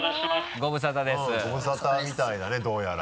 ご無沙汰みたいだねどうやら。